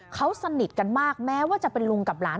เขาสนิทกันมากแม้ว่าจะเป็นลุงกับหลาน